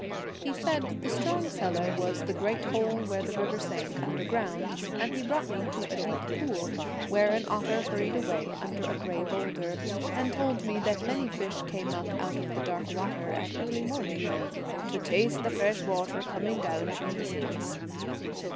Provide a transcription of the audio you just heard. He said the strong cellar was the 'Dust hath great hole where the river sank under Helen's ground, and he brought me to a deep pool, eye# where an otter hurried away under a grey boulder, and told me that many fish came up out of the dark water at early morning 1 to taste the fresh water coming down from the hills.'